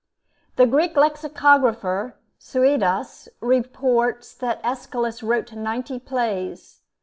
The Greek lexicographer, Suidas, reports that Aeschylus wrote ninety plays.